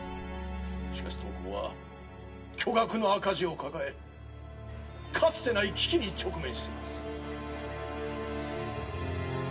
「しかし当行は巨額の赤字を抱えかつてない危機に直面しています」